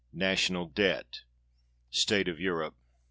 National Debt. State of Europe.